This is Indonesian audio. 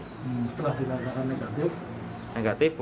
setelah dinyatakan negatif